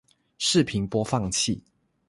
视频播放器